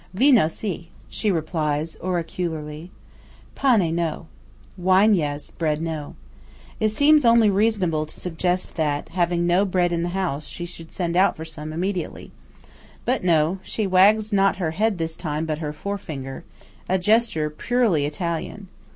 "Vino si," she replies, oracularly. "Pane, no." (Wine, yes; bread, no.) It seems only reasonable to suggest that, having no bread in the house, she should send out for some immediately. But no. she wags not her head this time, but her fore finger–a gesture purely Italian.